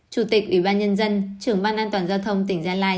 chủ tịch ủy ban nhân dân trưởng ban an toàn giao thông tỉnh gia lai